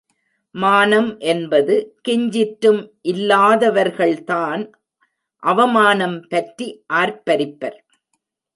மானம் என்பது கிஞ்சிற்றும் இல்லாதவர்கள்தான் அவமானம் பற்றி ஆர்ப்பரிப்பர்.